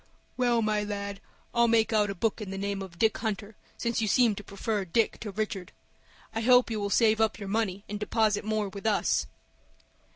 "Well, my lad, I'll make out a book in the name of Dick Hunter, since you seem to prefer Dick to Richard. I hope you will save up your money and deposit more with us."